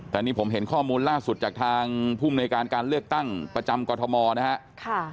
แต่นี่ผมเห็นข้อมูลล่าสุดจากทางภูมิในการการเลือกตั้งประจำกรทมนะครับ